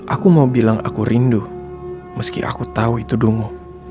aku mau bilang aku rindu meski aku tahu itu dungu